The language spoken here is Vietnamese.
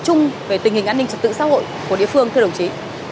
chung về tình hình an ninh trật tự xã hội của địa phương thưa đồng chí